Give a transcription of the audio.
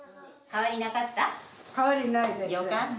変わりなかった？